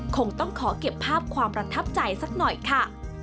คงต้องขอเก็บภาพความประทับใจสักหน่อยค่ะ